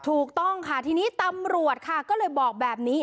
ถูกต้องค่ะทีนี้ตำรวจค่ะก็เลยบอกแบบนี้